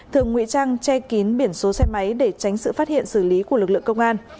thường ngụy trang che kín biển số xe máy để tránh sự phát hiện xử lý của lực lượng công an